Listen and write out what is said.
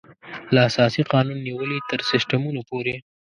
له اساسي قانون نېولې تر سیسټمونو پورې.